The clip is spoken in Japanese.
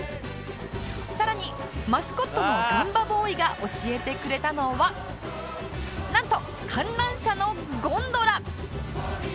さらにマスコットのガンバボーイが教えてくれたのはなんと観覧車のゴンドラ！